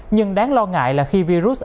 nhưng đáng lo ngại là khi virus